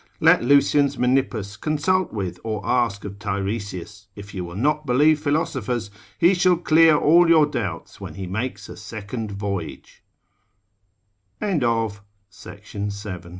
Let Lucian's Menippus consult with or ask of Tiresias, if you will not believe philosophers, he shall clear all your doubts when he makes a second